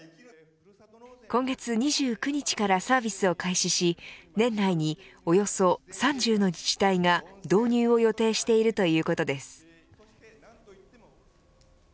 今月２９日からサービスを開始し年内に、およそ３０の自治体が導入を予定しているということです。